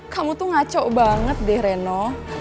kamu tuh ngaco banget deh reno